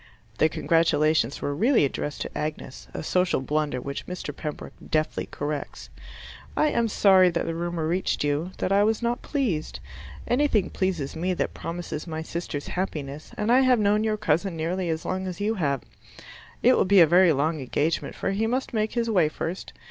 (The congratulations were really addressed to Agnes a social blunder which Mr. Pembroke deftly corrects.) I am sorry that the rumor reached you that I was not pleased. Anything pleases me that promises my sister's happiness, and I have known your cousin nearly as long as you have. It will be a very long engagement, for he must make his way first.